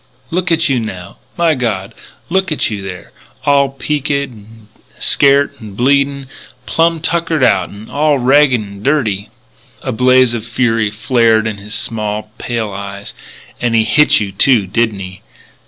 "Look at you now my God, look at you there, all peaked an' scairt an' bleedin' plum tuckered out, 'n' all ragged 'n' dirty " A blaze of fury flared in his small pale eyes: " And he hit you, too, did he?